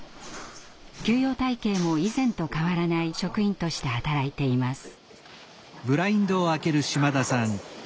給与体系も以前と変わらない職員として働いています。